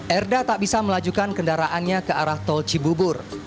erda tak bisa melajukan kendaraannya ke arah tol cibubur